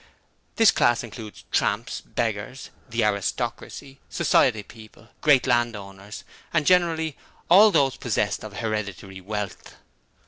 This class includes tramps, beggars, the "Aristocracy", "Society" people, great landowners, and generally all those possessed of hereditary wealth.'